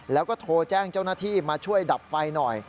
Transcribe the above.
แล้วก็โทรแจ้งเจ้าหน้าที่มาช่วยดับไฟหน่อย